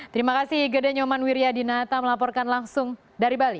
terima kasih gede nyoman wiryadinata melaporkan langsung dari bali